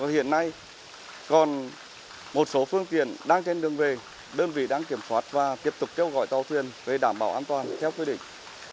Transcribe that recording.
hiện nay còn một số phương tiện đang trên đường về đơn vị đang kiểm soát và tiếp tục kêu gọi tàu thuyền về đảm bảo an toàn theo quy định